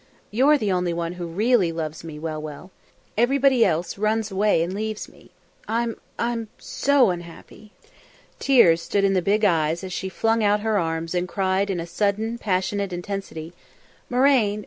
"You're the only one who really loves me, Well Well. Everybody else run away and leaves me. I'm I'm, so unhappy!" Tears stood in the big eyes as she flung out her arms and cried in a sudden passionate intensity, "Marraine!